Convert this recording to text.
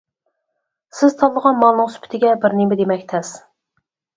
سىز تاللىغان مالنىڭ سۈپىتىگە بىر نېمە دېمەك تەس.